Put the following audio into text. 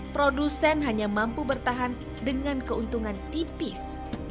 produsen hanya mampu bertahan dengan keuntungan tipis